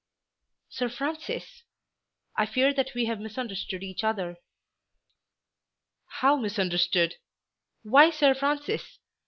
"Sir Francis, I fear that we have misunderstood each other." "How misunderstood? Why Sir Francis?